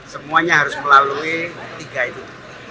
semuanya harus melalui tiga itu